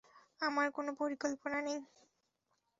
আমার কোন পরিকল্পনা নেই।